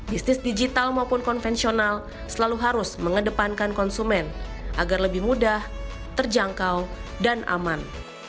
bisnis digital maupun konvensional selalu harus mengedepankan konsumen agar lebih mudah terjangkau dan aman